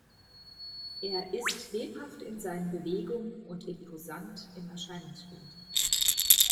Er ist lebhaft in seinen Bewegungen und imposant im Erscheinungsbild.